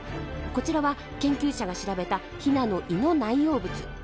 こちらは研究者が調べたヒナの胃の内容物。